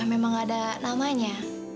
memang ada namanya